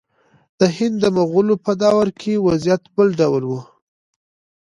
د هند د مغولو په دور کې وضعیت بل ډول و.